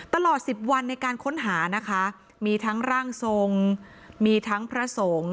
ตลอด๑๐วันในการค้นหานะคะมีทั้งร่างทรงมีทั้งพระสงฆ์